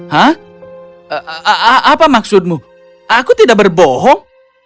hah apa maksudmu aku tidak berbohong